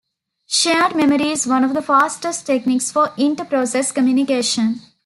Shared memory is one of the fastest techniques for inter-process communication.